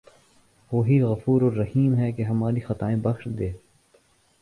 وہی غفورالرحیم ہے کہ ہماری خطائیں بخش دے